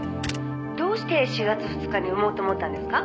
「どうして４月２日に産もうと思ったんですか？」